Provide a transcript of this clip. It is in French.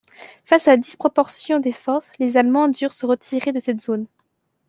Face à la disproportion des forces, les Allemands durent se retirer de cette zone.